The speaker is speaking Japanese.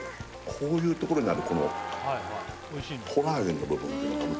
こういうところにあるこのコラーゲンの部分っていうのかな